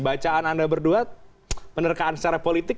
bacaan anda berdua penerkaan secara politik